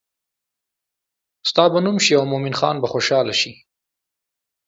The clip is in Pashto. ستا به نوم شي او مومن خان به خوشحاله شي.